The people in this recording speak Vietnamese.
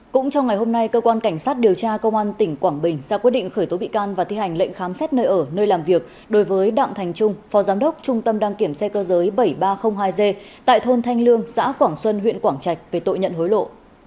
cũng trong ngày hôm nay cơ quan cảnh sát điều tra công an tỉnh quảng bình ra quyết định khởi tố bị can và thi hành lệnh khám xét nơi ở nơi làm việc đối với đặng thành trung phó giám đốc trung tâm đăng kiểm xe cơ giới bảy nghìn ba trăm linh hai g tại thôn thanh lương xã quảng xuân huyện quảng trạch về tội nhận hối lộ